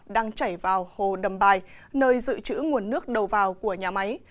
đang chảy vào hồ đầm bài nơi dự trữ nguồn nước đầu vào của nhà máy